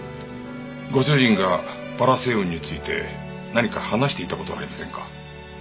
ご主人がバラ星雲について何か話していた事はありませんか？